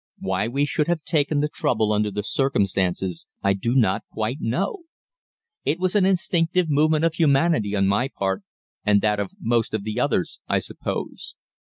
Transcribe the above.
Why we should have taken the trouble under the circumstances I do not quite know. It was an instinctive movement of humanity on my part, and that of most of the others, I suppose.